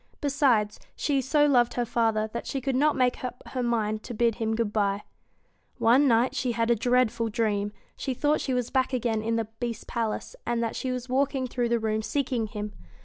Besides, she so loved her father that she could not make up her mind to bid him good bye. One night she had a dreadful dream. She thought she was back again in the Beast's palace, and that she was walking through the rooms seeking him.